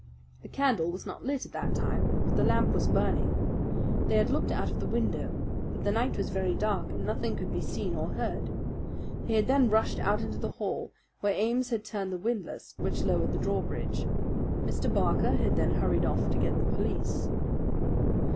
The candle was not lit at that time; but the lamp was burning. They had looked out of the window; but the night was very dark and nothing could be seen or heard. They had then rushed out into the hall, where Ames had turned the windlass which lowered the drawbridge. Mr. Barker had then hurried off to get the police.